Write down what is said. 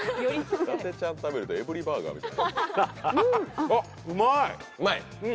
伊達ちゃん食べるとエブリバーガーみたい。